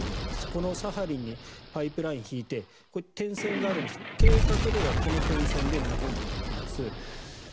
このサハリンにパイプラインを引いて点線があるんですが、計画ではこの点線で日本まで行きます。